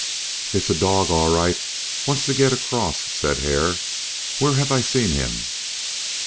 "It's a dog all right; wants to get across," said Hare. "Where have I seen him?"